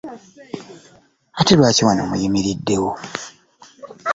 Ate lwaki wano muyimiriddewo?